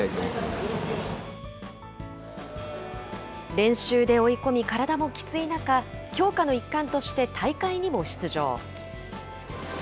練習で追い込み体もきつい中、強化の一環として、大会にも出場。